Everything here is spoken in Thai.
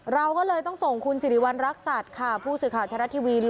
เราก็เลยต้องส่งคุณสิริวัณรักษัตริย์ค่ะผู้สื่อข่าวไทยรัฐทีวี